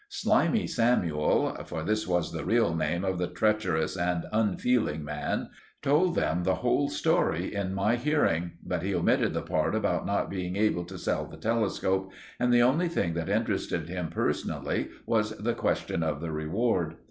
Slimey Samuel—for this was the real name of the treacherous and unfeeling man—told them the whole story in my hearing; but he omitted the part about not being able to sell the telescope, and the only thing that interested him personally was the question of the reward.